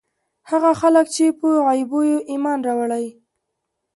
هغه خلک چې په غيبو ئې ايمان راوړی